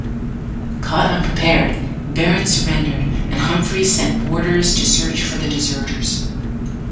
Caught unprepared, Barron surrendered and Humphreys sent boarders to search for the deserters.